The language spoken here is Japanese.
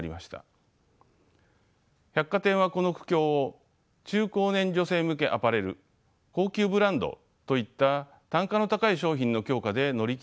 百貨店はこの苦境を中高年女性向けアパレル高級ブランドといった単価の高い商品の強化で乗り切ろうとしました。